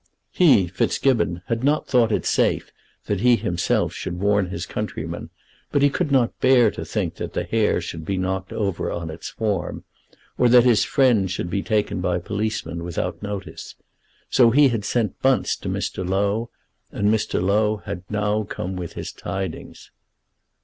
He, Fitzgibbon, had not thought it safe that he himself should warn his countryman, but he could not bear to think that the hare should be knocked over on its form, or that his friend should be taken by policemen without notice. So he had sent Bunce to Mr. Low, and Mr. Low had now come with his tidings.